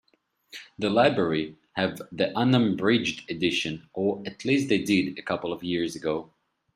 The library have the unabridged edition, or at least they did a couple of years ago.